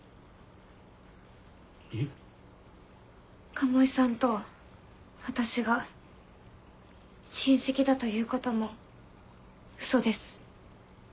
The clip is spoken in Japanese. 鴨居さんと私が親戚だということもウソです。